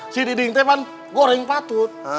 gak ada yang patut